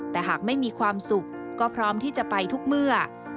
แต่หากไม่มีความสุขก็พร้อมที่จะไปทุกเมื่อ